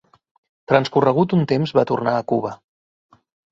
Transcorregut un temps va tornar a Cuba.